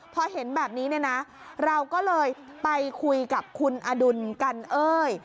พอเห็นแบบนี้เนี่ยนะเราก็เลยไปคุยกับคุณอดุลกันเอ้ย